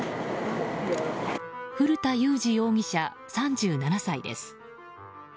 古田裕二容疑者、３７歳です。